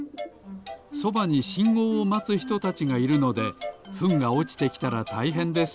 そばにしんごうをまつひとたちがいるのでフンがおちてきたらたいへんです。